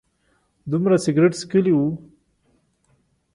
دومره سګرټ څکولي و.